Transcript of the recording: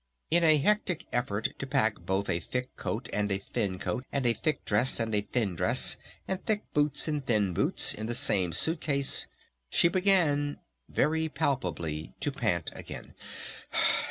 In a hectic effort to pack both a thick coat and a thin coat and a thick dress and a thin dress and thick boots and thin boots in the same suit case she began very palpably to pant again.